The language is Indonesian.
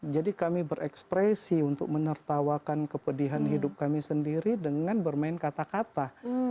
jadi kami berekspresi untuk menertawakan kepedihan hidup kami sendiri dengan bermain kata kata